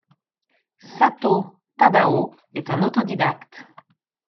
Satō Tadao est un autodidacte.